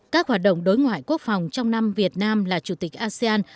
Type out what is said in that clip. các hoạt động đối ngoại quốc phòng trong năm việt nam là chủ tịch asean